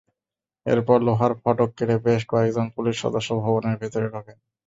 এরপর লোহার ফটক কেটে বেশ কয়েকজন পুলিশ সদস্য ভবনের ভেতরে ঢোকেন।